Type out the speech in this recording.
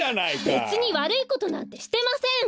べつにわるいことなんてしてません！